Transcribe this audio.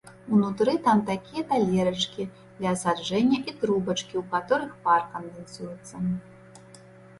Унутры там такія талерачкі для асаджэння і трубачкі, у каторых пар кандэнсуецца.